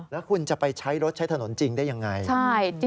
แล้วคุณจะไปใช้รถใช้ถนนจริงได้ยังไง